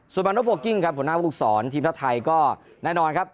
ส่วนมานส์บล็อคกิ้งผู้น่าพวกศรทีมท่าไทยก็แน่นอนครับ